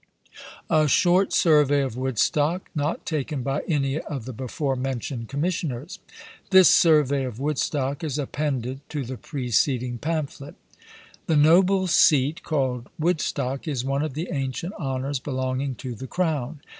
A SHORT SURVEY OF WOODSTOCK, NOT TAKEN BY ANY OF THE BEFORE MENTIONED COMMISSIONERS. (This Survey of Woodstock is appended to the preceding pamphlet) The noble seat, called Woodstock, is one of the ancient honours belonging to the crown.